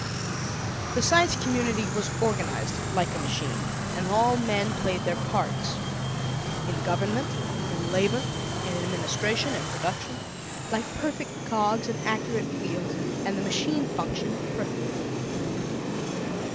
The Science Community was organized like a machine: and all men played their parts, in government, in labor, in administration, in production, like perfect cogs and accurate wheels, and the machine functioned perfectly.